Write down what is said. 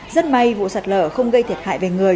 rất may vụ sạt lở không gây thiệt hại về người